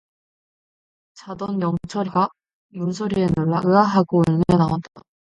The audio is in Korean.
자던 영철이가 문소리에 놀라 으아 하고 울며 나온다.